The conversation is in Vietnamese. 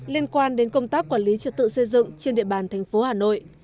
liên quan đến công tác quản lý trật tự xây dựng trên địa bàn tp hà nội